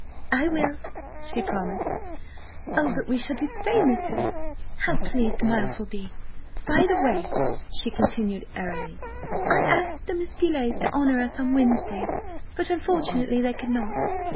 "I will," she promised. "Oh, but we shall do famously! How pleased Miles will be! By the way," she continued, airily, "I asked the Miss Beauleighs to honour us on Wednesday, but, unfortunately, they could not.